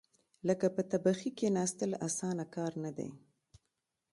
لکه په تبخي کېناستل، اسانه کار نه دی.